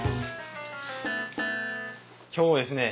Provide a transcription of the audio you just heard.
今日ですね